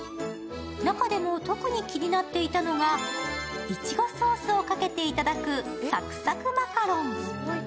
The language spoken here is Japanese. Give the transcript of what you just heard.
中でも特に気になっていたのがいちごソースをかけていただくサクサクマカロン。